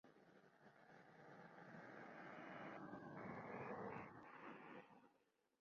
Mientras que la parte superior de la fachada se remonta a un período posterior.